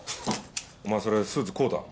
お前それスーツ買うたん？